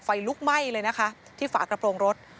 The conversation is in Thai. ลุกไหม้เลยนะคะที่ฝากระโปรงรถ